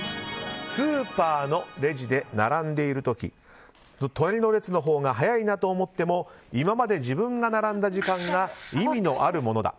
スーパーのレジで並んでいる時隣の列のほうが早いなと思っても今まで自分が並んだ時間が意味のあるものだ。